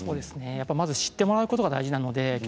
まず知ってもらうことが大事です。